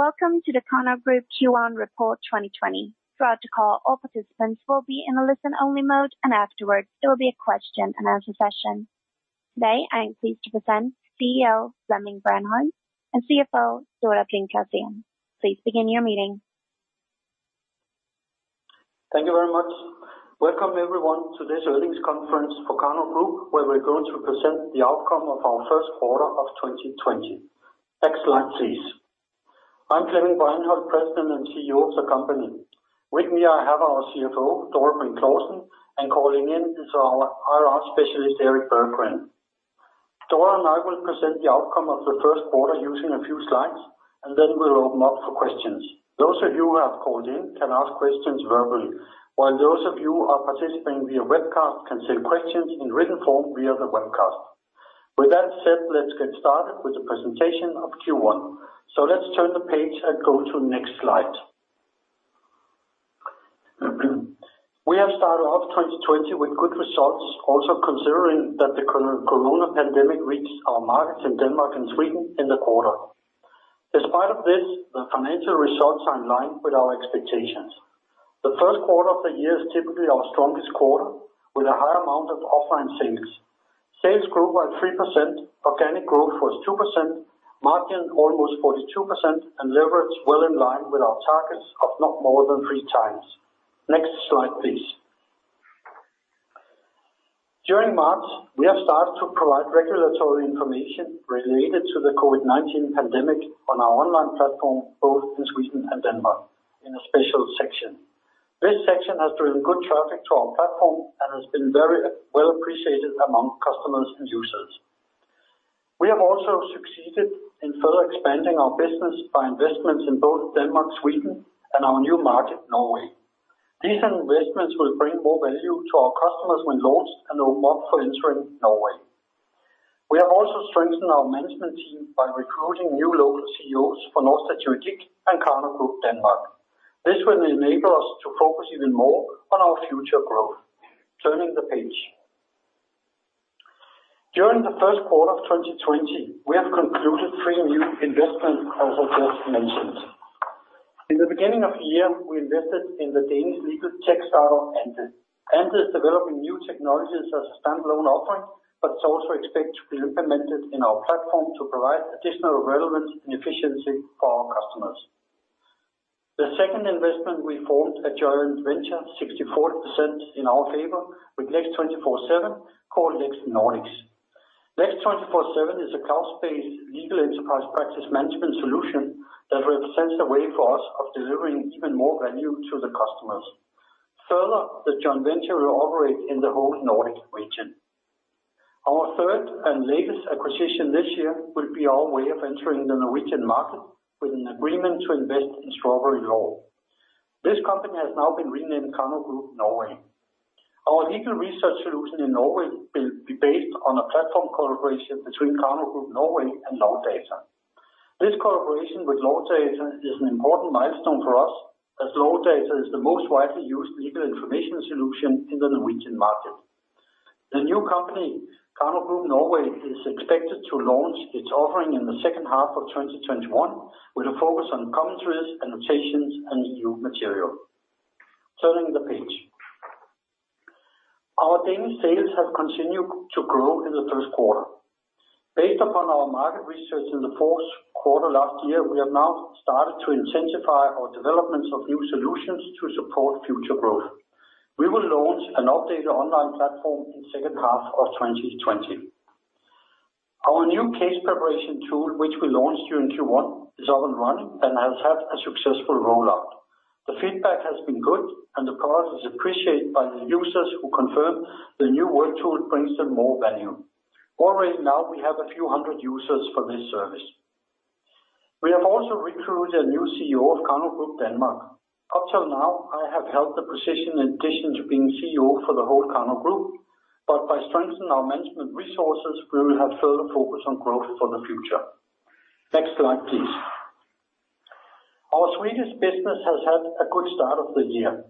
Welcome to the Karnov Group Q1 Report 2020. Throughout the call, all participants will be in a listen-only mode, and afterwards, there will be a question-and-answer session. Today, I am pleased to present CEO Flemming Breinholt and CFO Dora Brink Clausen. Please begin your meeting. Thank you very much. Welcome, everyone, to this earnings conference for Karnov Group, where we're going to present the outcome of our Q1 of 2020. Next slide, please. I'm Flemming Breinholt, President and CEO of the company. With me, I have our CFO, Dora Brink Clausen. Calling in is our IR specialist, Erik Berggren. Dora and I will present the outcome of the Q1 using a few slides. Then we'll open up for questions. Those of you who have called in can ask questions verbally, while those of you who are participating via webcast can send questions in written form via the webcast. With that said, let's get started with the presentation of Q1. Let's turn the page and go to next slide. We have started off 2020 with good results, also considering that the COVID-19 pandemic reached our markets in Denmark and Sweden in the quarter. Despite of this, the financial results are in line with our expectations. The Q1 of the year is typically our strongest quarter, with a high number of offline sales. Sales grew by 3%, organic growth was 2%, margin almost 42%, and leverage well in line with our targets of not more than three times. Next slide, please. During March, we have started to provide regulatory information related to the COVID-19 pandemic on our online platform, both in Sweden and Denmark, in a special section. This section has driven good traffic to our platform and has been very well appreciated among customers and users. We have also succeeded in further expanding our business by investments in both Denmark, Sweden, and our new market, Norway. These investments will bring more value to our customers when launched and opened up for entering Norway. We have also strengthened our management team by recruiting new local CEOs for Norstedts Juridik and Karnov Group Denmark. This will enable us to focus even more on our future growth. Turning the page. During the Q1 of 2020, we have concluded three new investments, as I just mentioned. In the beginning of the year, we invested in the Danish legal tech startup, Endeav. Endeav is developing new technologies as a standalone offering, but it's also expected to be implemented in our platform to provide additional relevance and efficiency for our customers. The second investment, we formed a joint venture, 64% in our favor, with LEX247, called LEXNordics. LEX247 is a cloud-based legal enterprise practice management solution that represents a way for us of delivering even more value to the customers. Further, the joint venture will operate in the whole Nordic region. Our third and latest acquisition this year will be our way of entering the Norwegian market with an agreement to invest in Strawberry Law. This company has now been renamed Karnov Group Norway. Our legal research solution in Norway will be based on a platform collaboration between Karnov Group Norway and Lovdata. This collaboration with Lovdata is an important milestone for us, as Lovdata is the most widely used legal information solution in the Norwegian market. The new company, Karnov Group Norway, is expected to launch its offering in the H2 of 2021 with a focus on commentaries, annotations, and EU material. Turning the page. Our Danish sales have continued to grow in the Q1. Based upon our market research in the Q4 last year, we have now started to intensify our developments of new solutions to support future growth. We will launch an updated online platform in H2 of 2020. Our new case preparation tool, which we launched during Q1, is up and running and has had a successful rollout. The feedback has been good, and the product is appreciated by the users who confirmed the new work tool brings them more value. Already now we have a few hundred users for this service. We have also recruited a new CEO of Karnov Group Denmark. Up till now, I have held the position in addition to being CEO for the whole Karnov Group, but by strengthening our management resources, we will have further focus on growth for the future. Next slide, please. Our Swedish business has had a good start of the year.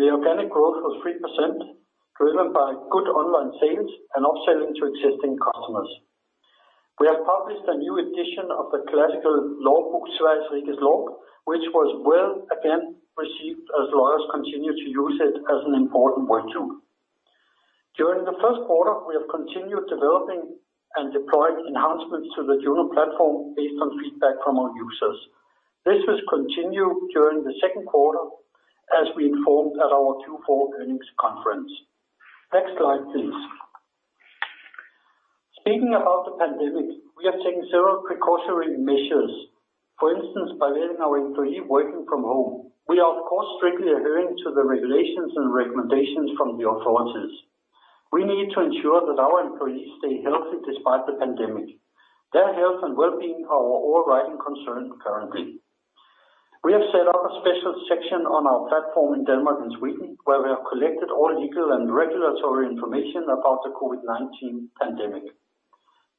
The organic growth was 3%, driven by good online sales and upselling to existing customers. We have published a new edition of the classical law book, Svensk Regelsamling, which was well, again, received as lawyers continue to use it as an important work tool. During the Q1, we have continued developing and deploying enhancements to the JUNO platform based on feedback from our users. This was continued during the Q2 as we informed at our Q4 earnings conference. Next slide, please. Speaking about the pandemic, we have taken several precautionary measures. For instance, by letting our employees working from home. We are, of course, strictly adhering to the regulations and recommendations from the authorities. We need to ensure that our employees stay healthy despite the pandemic. Their health and well-being are our overriding concern currently. We have set up a special section on our platform in Denmark and Sweden, where we have collected all legal and regulatory information about the COVID-19 pandemic.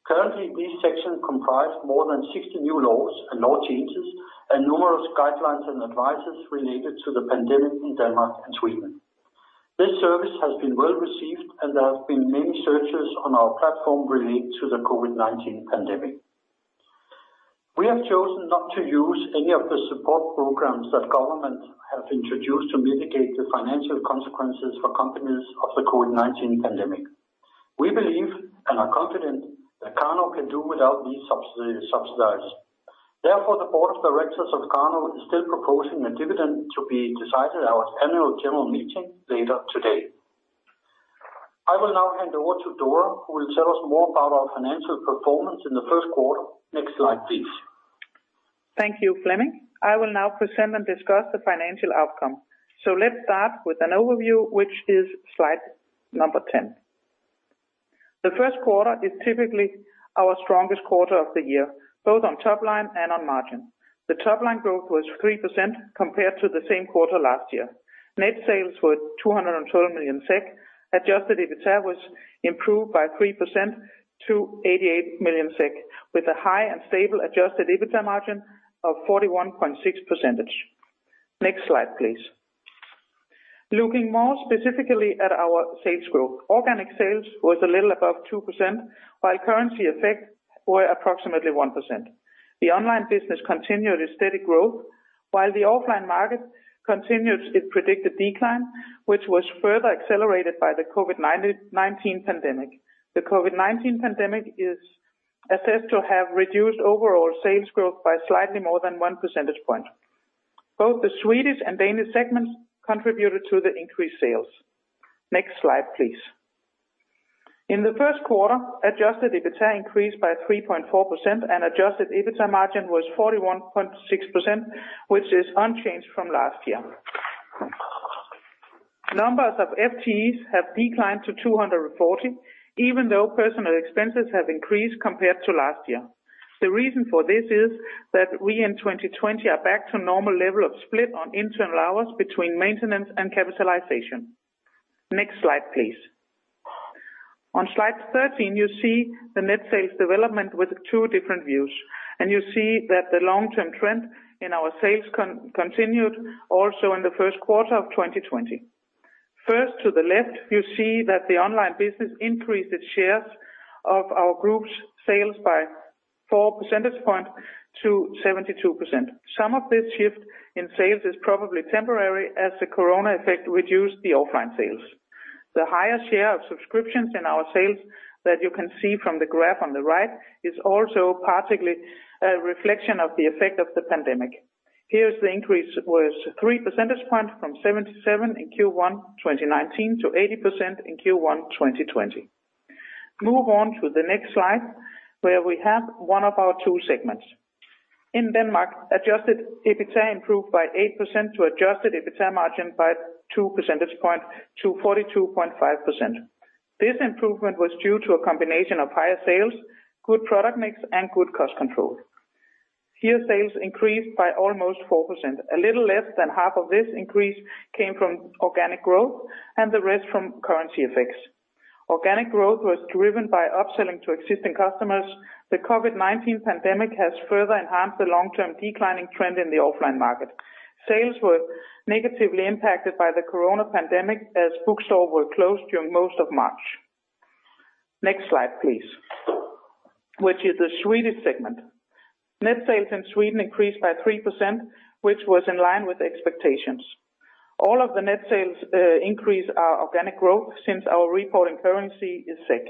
Currently, this section comprises more than 60 new laws and law changes and numerous guidelines and advice related to the pandemic in Denmark and Sweden. This service has been well received and there have been many searches on our platform related to the COVID-19 pandemic. We have chosen not to use any of the support programs that government have introduced to mitigate the financial consequences for companies of the COVID-19 pandemic. We believe and are confident that Karnov can do without these subsidies. Therefore, the board of directors of Karnov is still proposing a dividend to be decided at our annual general meeting later today. I will now hand over to Dora, who will tell us more about our financial performance in the Q1. Next slide, please. Thank you, Flemming. I will now present and discuss the financial outcome. Let's start with an overview, which is slide number 10. The Q1 is typically our strongest quarter of the year, both on top line and on margin. The top-line growth was 3% compared to the same quarter last year. Net sales were 212 million SEK. Adjusted EBITA was improved by 3% to 88 million SEK, with a high and stable adjusted EBITA margin of 41.6%. Next slide, please. Looking more specifically at our sales growth, organic sales was a little above 2%, while currency effects were approximately 1%. The online business continued its steady growth, while the offline market continued its predicted decline, which was further accelerated by the COVID-19 pandemic. The COVID-19 pandemic is assessed to have reduced overall sales growth by slightly more than one percentage point. Both the Swedish and Danish segments contributed to the increased sales. Next slide, please. In the Q1, adjusted EBITA increased by 3.4% and adjusted EBITA margin was 41.6%, which is unchanged from last year. Numbers of FTEs have declined to 240, even though personal expenses have increased compared to last year. The reason for this is that we, in 2020, are back to normal level of split on internal hours between maintenance and capitalization. Next slide, please. On slide 13, you see the net sales development with two different views, and you see that the long-term trend in our sales continued also in the Q1 of 2020. First, to the left, you see that the online business increased its shares of our group's sales by four percentage points to 72%. Some of this shift in sales is probably temporary as the corona effect reduced the offline sales. The higher share of subscriptions in our sales that you can see from the graph on the right is also partially a reflection of the effect of the pandemic. Here, the increase was three percentage points from 77 in Q1 2019 to 80% in Q1 2020. Move on to the next slide, where we have one of our two segments. In Denmark, adjusted EBITA improved by 8% to adjusted EBITA margin by two percentage points to 42.5%. This improvement was due to a combination of higher sales, good product mix, and good cost control. Here, sales increased by almost 4%. A little less than half of this increase came from organic growth, and the rest from currency effects. Organic growth was driven by upselling to existing customers. The COVID-19 pandemic has further enhanced the long-term declining trend in the offline market. Sales were negatively impacted by the corona pandemic as bookstores were closed during most of March. Next slide, please, which is the Swedish segment. Net sales in Sweden increased by 3%, which was in line with expectations. All of the net sales increase are organic growth since our reporting currency is SEK.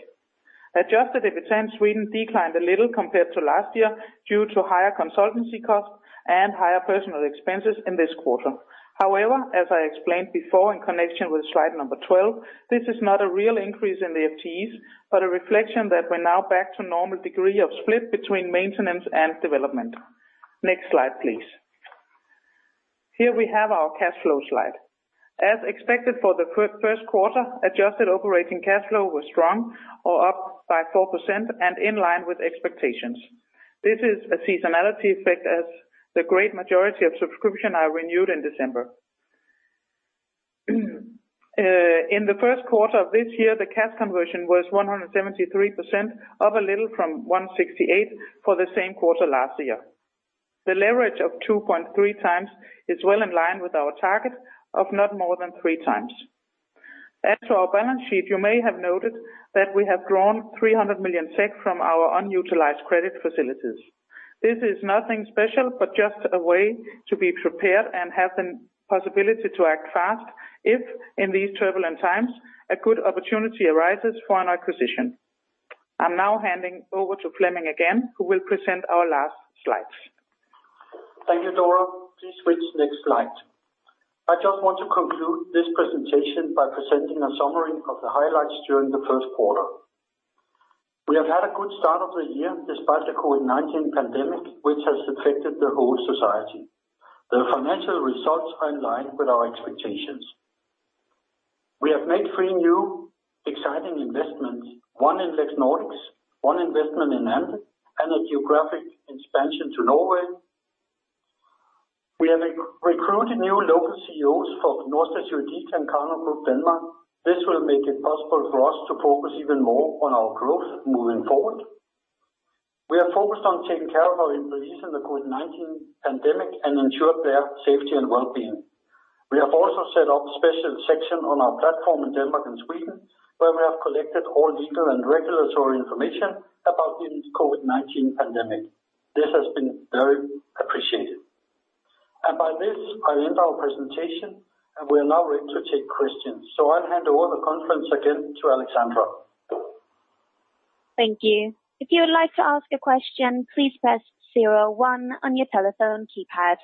Adjusted EBITA in Sweden declined a little compared to last year due to higher consultancy costs and higher personal expenses in this quarter. As I explained before in connection with slide number 12, this is not a real increase in the FTEs, but a reflection that we're now back to normal degree of split between maintenance and development. Next slide, please. Here we have our cash flow slide. As expected for the Q1, adjusted operating cash flow was strong or up by 4% and in line with expectations. This is a seasonality effect as the great majority of subscription are renewed in December. In the Q1 of this year, the cash conversion was 173%, up a little from 168 for the same quarter last year. The leverage of 2.3 times is well in line with our target of not more than three times. As to our balance sheet, you may have noted that we have drawn 300 million from our unutilized credit facilities. This is nothing special, but just a way to be prepared and have the possibility to act fast if, in these turbulent times, a good opportunity arises for an acquisition. I'm now handing over to Flemming again, who will present our last slides. Thank you, Dora. Please switch next slide. I just want to conclude this presentation by presenting a summary of the highlights during the Q1. We have had a good start of the year despite the COVID-19 pandemic, which has affected the whole society. The financial results are in line with our expectations. We have made three new exciting investments, one in LEXNordics, one investment in Endeav, and a geographic expansion to Norway. We have recruited new local CEOs for Norstedts Juridik and Karnov Group Denmark. This will make it possible for us to focus even more on our growth moving forward. We are focused on taking care of our employees in the COVID-19 pandemic and ensure their safety and wellbeing. We have also set up a special section on our platform in Denmark and Sweden, where we have collected all legal and regulatory information about the COVID-19 pandemic. This has been very appreciated. By this, I end our presentation, and we're now ready to take questions. I'll hand over the conference again to Alexandra. Thank you. If you would like to ask a question, please press zero one on your telephone keypad.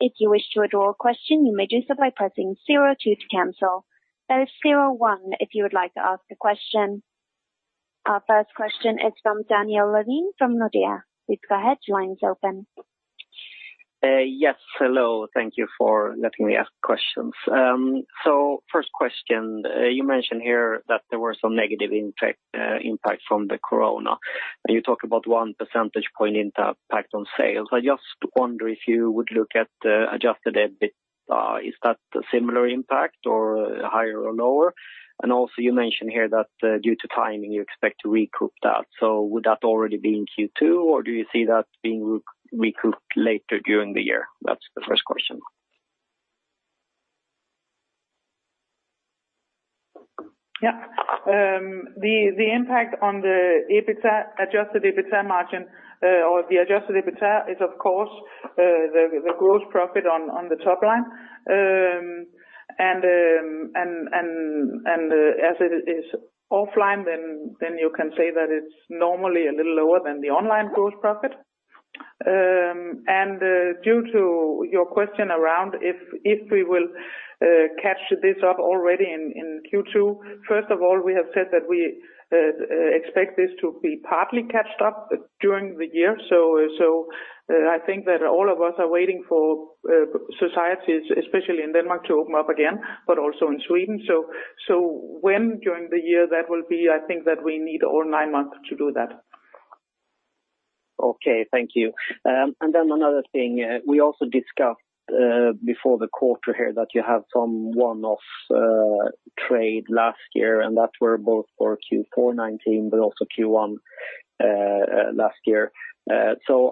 If you wish to withdraw a question, you may do so by pressing zero two to cancel. That is zero one, if you would like to ask a question. Our first question is from Daniel Lavén from Nordea. Please go ahead. Your line is open. Yes. Hello. Thank you for letting me ask questions. First question, you mentioned here that there were some negative impacts from the COVID-19, and you talked about one percentage point impact on sales. I just wonder if you would look at the adjusted EBITA. Is that a similar impact or higher or lower? You mentioned here that due to timing; you expect to recoup that. Would that already be in Q2, or do you see that being recouped later during the year? That's the first question. The impact on the adjusted EBITA margin or the adjusted EBITA is, of course, the gross profit on the top line. As it is offline, you can say that it's normally a little lower than the online gross profit. Due to your question around if we will catch this up already in Q2, first of all, we have said that we expect this to be partly catched up during the year. I think that all of us are waiting for societies, especially in Denmark, to open up again, but also in Sweden. When during the year that will be, I think that we need all nine months to do that. Okay. Thank you. Another thing, we also discussed before the quarter here that you have some one-off trade last year, and that were both for Q4 2019, but also Q1 2020.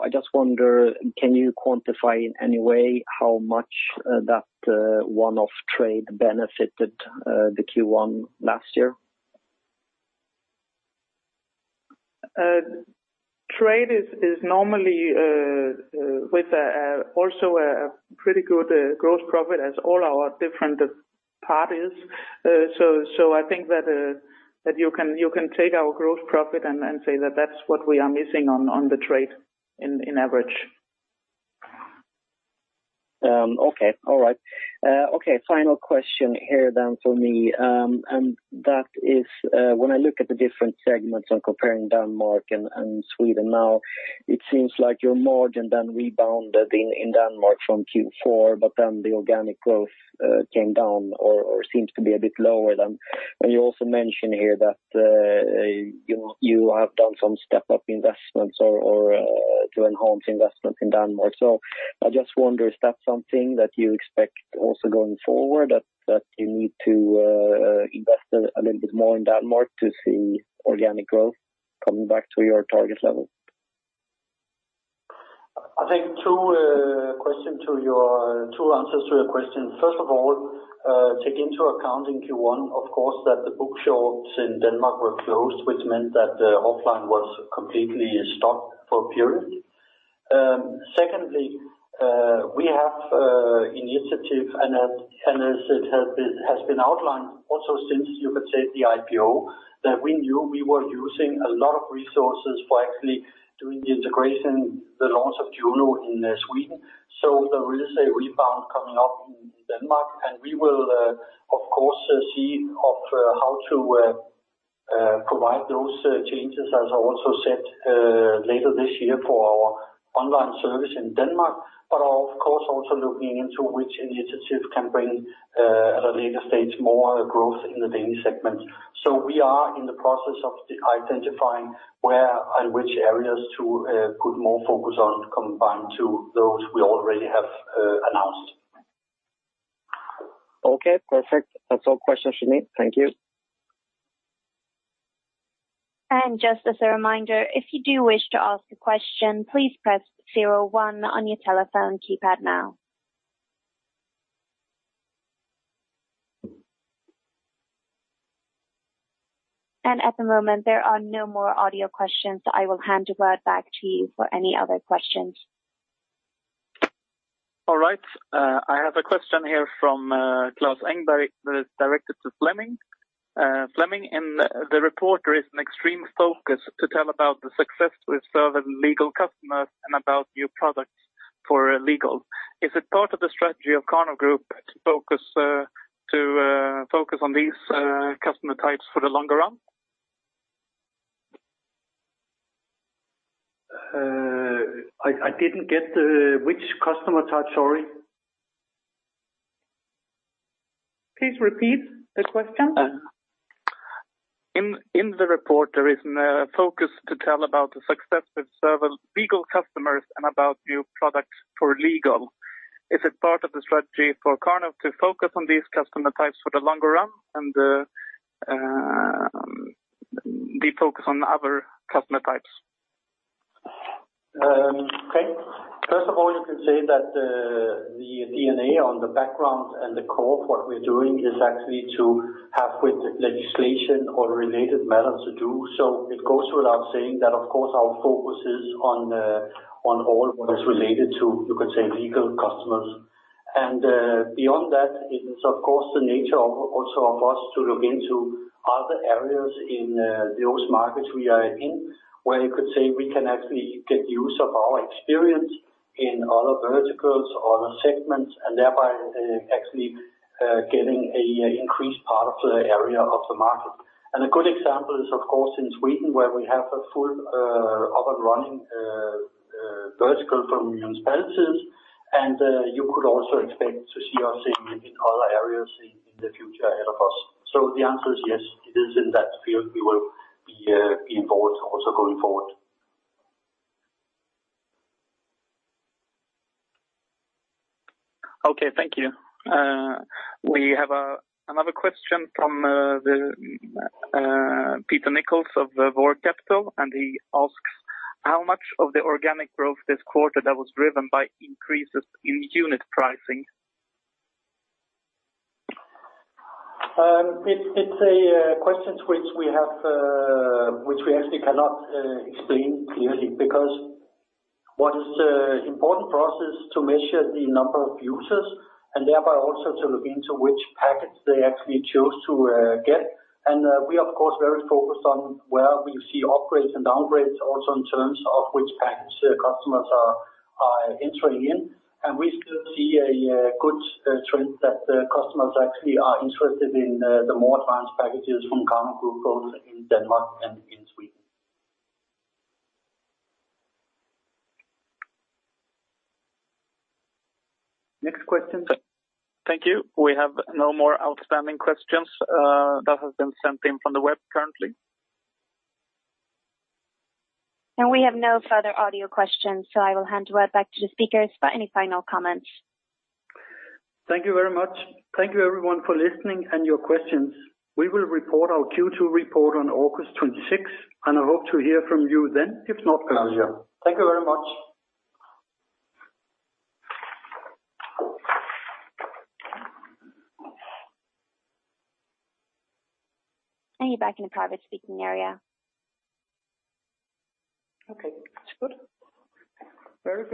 I just wonder, can you quantify in any way how much that one-off trade benefited the Q1 2020? Trade is normally with also a pretty good gross profit as all our different parties. I think that you can take our gross profit and say that that's what we are missing on the trade in average. Okay. All right. Final question here then from me, that is when I look at the different segments on comparing Denmark and Sweden now, it seems like your margin then rebounded in Denmark from Q4, the organic growth came down or seems to be a bit lower than. You also mentioned here that you have done some step-up investments or to enhance investment in Denmark. I just wonder, is that something that you expect also going forward, that you need to invest a little bit more in Denmark to see organic growth coming back to your target level? I think two answers to your question. First of all, take into account in Q1, of course, that the bookshops in Denmark were closed, which meant that the offline was completely stopped for a period. We have initiative and as it has been outlined also since you could say the IPO, that we knew we were using a lot of resources for actually doing the integration, the launch of JUNO in Sweden. There is a rebound coming up in Denmark, and we will of course see of how to provide those changes as also said later this year for our online service in Denmark. Of course, also looking into which initiative can bring at a later stage more growth in the Danish segment. We are in the process of identifying where and which areas to put more focus on combined to those we already have announced. Okay, perfect. That's all questions from me. Thank you. Just as a reminder, if you do wish to ask a question, please press 01 on your telephone keypad now. At the moment, there are no more audio questions. I will hand over back to you for any other questions. All right. I have a question here from Claus Engberg that is directed to Flemming. Flemming, in the report, there is an extreme focus to talk about the success with serving legal customers and about new products for legal. Is it part of the strategy of Karnov Group to focus on these customer types for the longer run? I didn't get which customer type. Sorry. Please repeat the question. In the report, there is a focus to talk about the success with several legal customers and about new products for legal. Is it part of the strategy for Karnov to focus on these customer types for the longer run and defocus on other customer types? First of all, you can say that the DNA on the background and the core of what we're doing is actually to have with legislation or related matters to do so. It goes without saying that, of course, our focus is on all what is related to, you could say, legal customers. Beyond that, it is, of course, the nature also of us to look into other areas in those markets we are in, where you could say we can actually get use of our experience in other verticals or other segments, and thereby actually getting a increased part of the area of the market. A good example is, of course, in Sweden, where we have a full up and running vertical from municipalities, and you could also expect to see us in other areas in the future ahead of us. The answer is yes; it is in that field we will be involved also going forward. Okay, thank you. We have another question from Peter Nichols of Vor Capital. He asks, "How much of the organic growth this quarter that was driven by increases in unit pricing? It's a question which we actually cannot explain clearly, because what is important for us is to measure the number of users and thereby also to look into which package they actually chose to get. We, of course, very focused on where we see upgrades and downgrades also in terms of which package customers are entering in. We still see a good trend that customers actually are interested in the more advanced packages from Karnov Group, both in Denmark and in Sweden. Next question. Thank you. We have no more outstanding questions that have been sent in from the web currently. We have no further audio questions, so I will hand right back to the speakers for any final comments. Thank you very much. Thank you everyone for listening and your questions. We will report our Q2 report on August 26th, and I hope to hear from you then. If not, Pleasure. Thank you very much. You're back in the private speaking area. Okay. That's good. Very good.